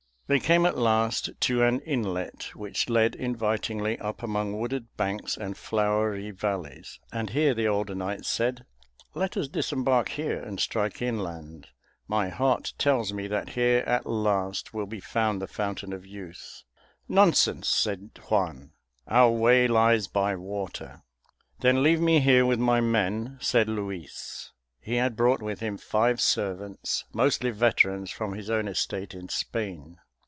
They came at last to an inlet which led invitingly up among wooded banks and flowery valleys, and here the older knight said, "Let us disembark here and strike inland. My heart tells me that here at last will be found the Fountain of Youth." "Nonsense," said Juan, "our way lies by water." "Then leave me here with my men," said Luis. He had brought with him five servants, mostly veterans, from his own estate in Spain.